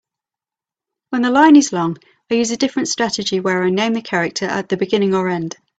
When the line is long, I use a different strategy where I name the character at the beginning or end.